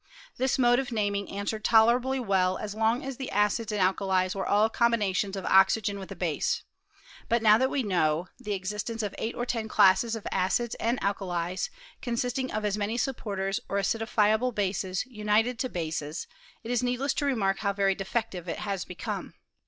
This mode of naming answered tolerably well as long as the acids and alkalies were all combinations of ox ygen with a base ; but now that we know the ex istence of eight or ten classes of acids and alkalies, consisting of as many supporters, or acidifiable bases united to bases, it is needless to remark how very defective it has become.